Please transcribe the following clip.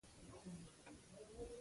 زما ترغاړې د سرو، سپینو،